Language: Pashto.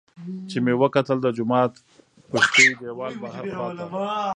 چې مې وکتل د جومات پشتۍ دېوال بهر خوا ته